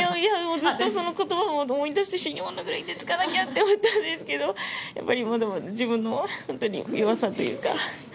ずっとその言葉も思い出して死に物狂いでつかなきゃって思ったんですけどやっぱりまだまだ自分の弱さというか。